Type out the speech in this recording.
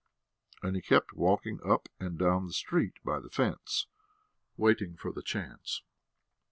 And he kept walking up and down the street by the fence, waiting for the chance.